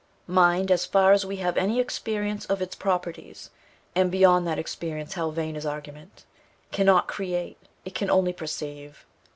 Mind, as far as we have any experience of its properties, and beyond that experience how vain is argument! cannot create, it can only perceive.